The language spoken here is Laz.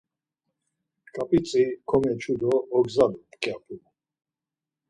Ǩap̌itzi komeçu do ogzalu mǩyapu.